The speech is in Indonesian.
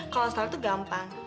kalau salah itu gampang